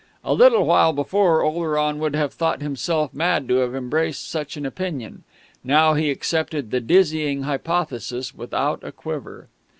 A little while before Oleron would have thought himself mad to have embraced such an opinion; now he accepted the dizzying hypothesis without a quiver.